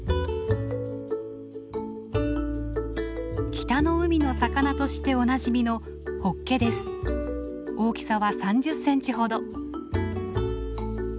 北の海の魚としておなじみの大きさは３０センチほど。